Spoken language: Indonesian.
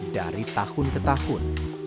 dari tahun ke tahun